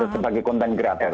sebagai konten kreator